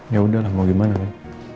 ya udahlah mau gimana pak